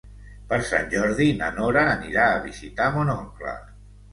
Per Sant Jordi na Nora anirà a visitar mon oncle.